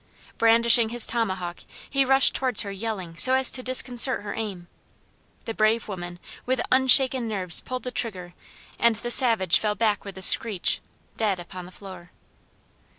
Brandishing his tomahawk he rushed towards her yelling so as to disconcert her aim. The brave woman with unshaken nerves pulled the trigger, and the savage fell back with a screech, dead upon the floor.